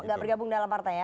tidak bergabung dalam partai ya